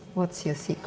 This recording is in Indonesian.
apa rahasia anda